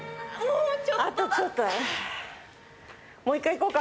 あとちょっと。